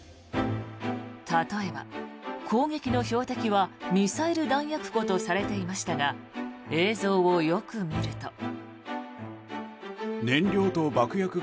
例えば、攻撃の標的はミサイル弾薬庫とされていましたが映像をよく見ると。